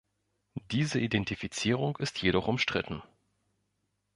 Diese Identifizierung ist jedoch umstritten.